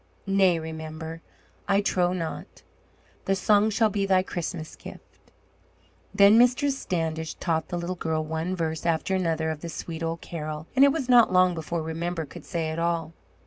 "Nay, Remember, I trow not. The song shall be thy Christmas gift." Then Mistress Standish taught the little girl one verse after another of the sweet old carol, and it was not long before Remember could say it all.